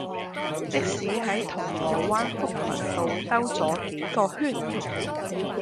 的士喺銅鑼灣福群道兜左幾個圈